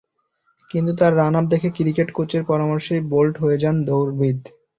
কিন্তু তাঁর রানআপ দেখে ক্রিকেট কোচের পরামর্শেই বোল্ট হয়ে যান দৌড়বিদ।